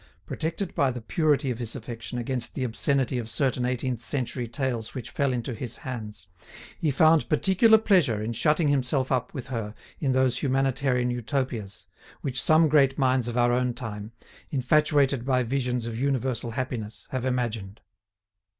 Protected by the purity of his affection against the obscenity of certain eighteenth century tales which fell into his hands, he found particular pleasure in shutting himself up with her in those humanitarian Utopias which some great minds of our own time, infatuated by visions of universal happiness have imagined.